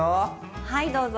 はいどうぞ！